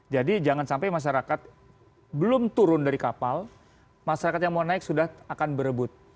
jadi jangan sampai masyarakat belum turun dari kapal masyarakat yang mau naik sudah akan berebut